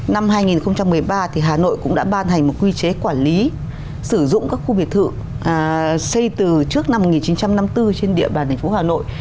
năm hai nghìn một mươi ba hà nội cũng đã ban hành một quy chế quản lý sử dụng các khu biệt thự xây từ trước năm một nghìn chín trăm năm mươi bốn trên địa bàn thành phố hà nội